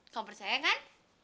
kamu percaya kan